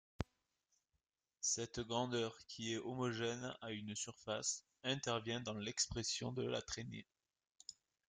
Cette grandeur, qui est homogène à une surface, intervient dans l'expression de la traînée.